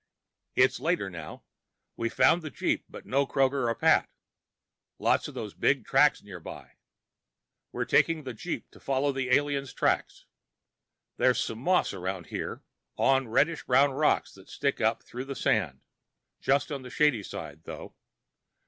It's later, now. We found the jeep, but no Kroger or Pat. Lots of those big tracks nearby. We're taking the jeep to follow the aliens' tracks. There's some moss around here, on reddish brown rocks that stick up through the sand, just on the shady side, though.